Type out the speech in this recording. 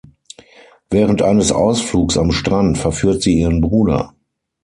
Während eines Ausflugs am Strand verführt sie ihren Bruder.